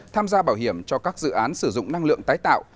tham gia bảo hiểm cho các dự án sử dụng năng lượng tái tạo